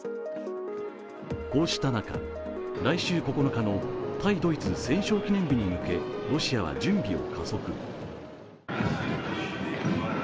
こうした中、来週９日の対ドイツ戦勝記念日に向けロシアは準備を加速。